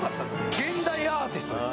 現代アーティストです